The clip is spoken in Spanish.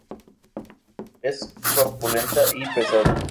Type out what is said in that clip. Es corpulenta y pesada.